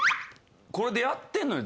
これでやってるのよ